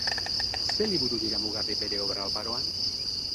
Ze liburu dira mugarri bere obra oparoan?